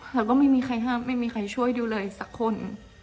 แล้วก็ไม่มีใครห้ามไม่มีใครช่วยดูเลยสักคน